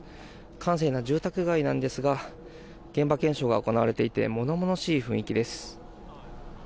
閑静な住宅街なんですが現場検証が行われていて物々しい雰囲気です。